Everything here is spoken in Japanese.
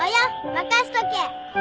任せとけ！